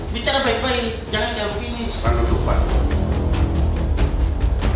bicara baik baik jangan jauh jauh ini